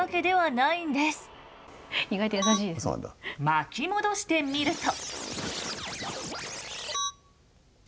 巻き戻してみると。